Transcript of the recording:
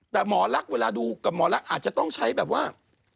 แต่หมอลักษณ์เวลาดูกับหมอลักษณ์อาจจะต้องใช้แบบว่า